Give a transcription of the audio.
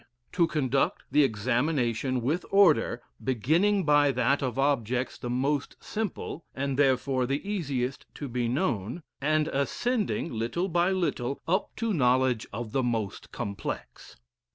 To conduct the examination with order, beginning by that of objects the most simple, and therefore the easiest to be known, and ascending little by little up to knowledge of the most complex.